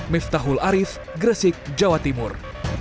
miftahul arief gresik jawa timur